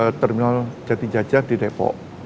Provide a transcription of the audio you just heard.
ada terminal jati jajan di depok